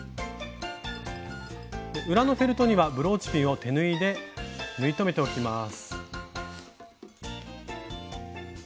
裏のフェルトにはブローチピンを手縫いで縫い留めておきます。